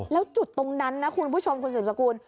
แล้วจุดตรงนั้นนะคุณผู้ชมคุณสืบสกุล